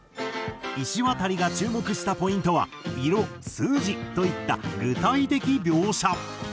いしわたりが注目したポイントは色数字といった具体的描写。